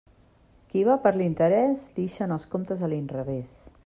Qui va per l'interés, li ixen els comptes a l'inrevés.